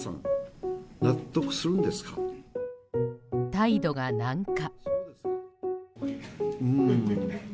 態度が軟化。